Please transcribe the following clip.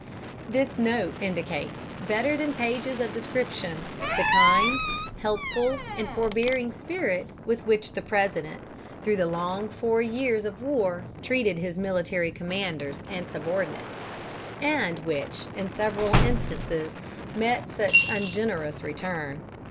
This note indicates, better than pages of description, the kind, helpful, and forbearing spirit with which the President, through the long four years' war, treated his military commanders and subordinates; and which, in several instances, met such ungenerous return.